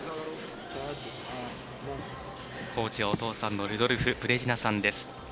コーチはお父さんのルドルフ・ブレジナさんです。